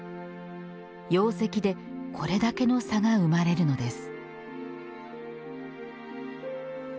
養石でこれだけの差が生まれるのです。